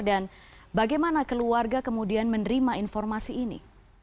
dan bagaimana keluarga kemudian menerima informasi ini